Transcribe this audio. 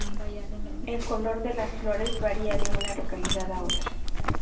El color de las flores varía de una localidad a otra.